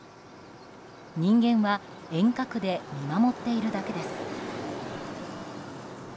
人間は遠隔で見守っているだけです。